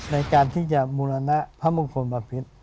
ในการที่จะบูรณะพระมงคลบพิษ